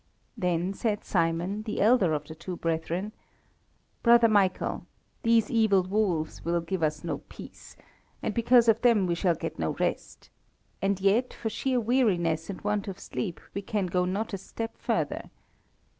Then said Simon, the elder of the two brethren: "Brother Michael, these evil wolves will give us no peace, and because of them we shall get no rest, and yet, for sheer weariness and want of sleep, we can go not a step further.